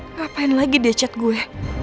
ngapain lagi deh chat gue